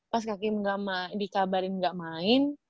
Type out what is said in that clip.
pas kak kim dikabarin gak main